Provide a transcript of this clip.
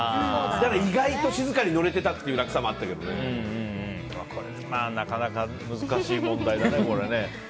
だから意外と静かに乗れてたというこれはなかなか難しい問題だね。